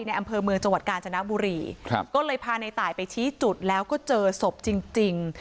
อำเภอเมืองจังหวัดกาญจนบุรีครับก็เลยพาในตายไปชี้จุดแล้วก็เจอศพจริงจริง